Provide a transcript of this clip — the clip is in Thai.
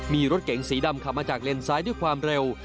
มีรถเก๋งสีดำขับมาจากเลนซ้ายด้วยความเร็ว